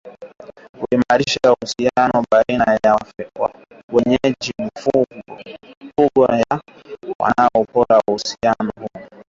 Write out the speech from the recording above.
huimarisha mwingiliano baina ya wenyeji mifugo yao na wanyamapori Uhusiano huu mbali na kuchangia